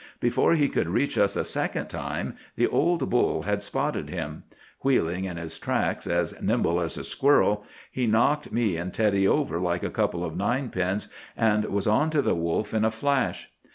Before he could reach us a second time the old bull had spotted him. Wheeling in his tracks, as nimble as a squirrel, he knocked me and Teddy over like a couple of ninepins, and was onto the wolf in a flash.